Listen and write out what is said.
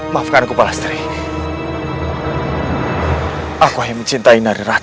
maafkan aku balasri aku hanya mencintai narirati